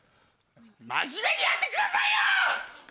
真面目にやってくださいよ！